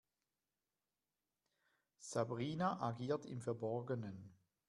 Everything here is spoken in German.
Sabrina agiert im Verborgenen.